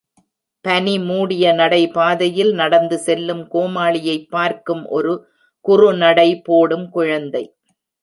பனிமூடிய நடைபாதையில் நடந்து செல்லும் கோமாளியைப் பார்க்கும் ஒரு குறுநடை போடும் குழந்தை.